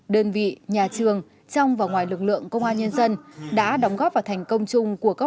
đơn vị nhà trường trong và ngoài lực lượng công an nhân dân đã đóng góp vào thành công chung của các